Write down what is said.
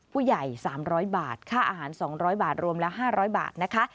ผู้ใหญ่๓๐๐บาทค่าอาหาร๒๐๐บาทรวมแล้ว๕๐๐บาทนะคะ